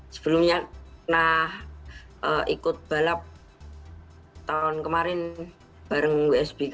sebelumnya pernah ikut balap tahun kemarin bareng wsbk